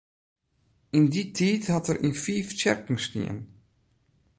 Yn dy tiid hat er yn fiif tsjerken stien.